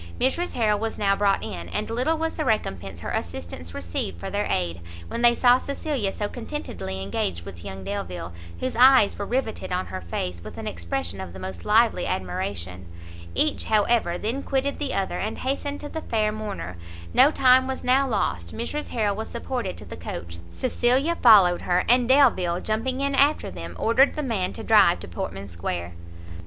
Mrs Harrel was now brought in, and little was the recompense her assistants received for their aid, when they saw Cecilia so contentedly engaged with young Delvile, whose eyes were rivetted on her face, with an expression of the most lively admiration; each, however, then quitted the other, and hastened to the fair mourner; no time was now lost, Mrs Harrel was supported to the coach, Cecilia followed her, and Delvile, jumping in after them, ordered the man to drive to Portman square.